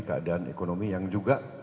keadaan ekonomi yang juga